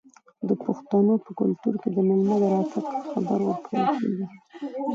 د پښتنو په کلتور کې د میلمه د راتګ خبر ورکول کیږي.